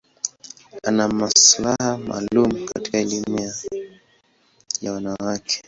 Ana maslahi maalum katika elimu ya wanawake.